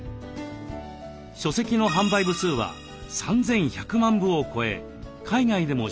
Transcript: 書籍の販売部数は３，１００万部を超え海外でも出版されています。